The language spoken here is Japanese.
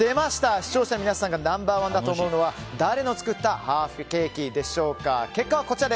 視聴者の皆さんがナンバーワンだと思うのは誰の作ったハーフケーキでしょうか。